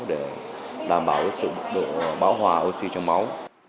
để đảm bảo sự bảo hòa oxy trong máu